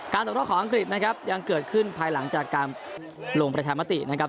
ตกรอบของอังกฤษนะครับยังเกิดขึ้นภายหลังจากการลงประชามตินะครับ